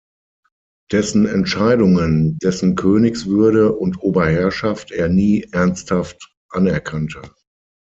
Dessen Entscheidungen, dessen Königswürde und Oberherrschaft er nie ernsthaft anerkannte.